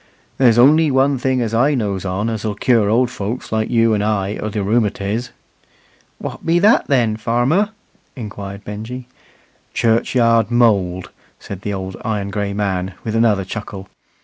"There's only one thing as I knows on as'll cure old folks like you and I o' th' rheumatiz." "Wot be that then, farmer?" inquired Benjy. "Churchyard mould," said the old iron gray man, with another chuckle.